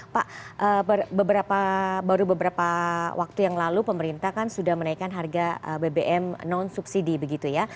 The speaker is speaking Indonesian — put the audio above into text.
pak baru beberapa waktu yang lalu pemerintah kan sudah menaikkan harga bbm non subsidi begitu ya